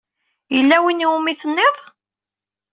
Yella win iwumi t-tenniḍ?